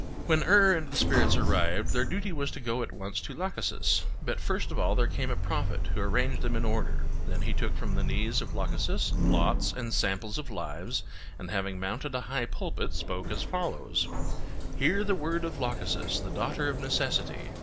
When Er and the spirits arrived, their duty was to go at once to Lachesis; but first of all there came a prophet who arranged them in order; then he took from the knees of Lachesis lots and samples of lives, and having mounted a high pulpit, spoke as follows: 'Hear the word of Lachesis, the daughter of Necessity.